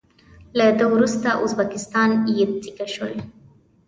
له ده وروسته ازبکان بې سیکه شول.